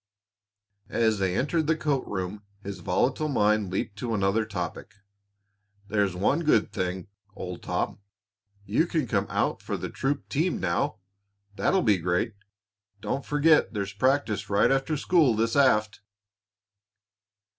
As they entered the coat room his volatile mind leaped to another topic. "There's one good thing, old top; you can come out for the troop team now. That'll be great! Don't forget there's practice right after school this aft."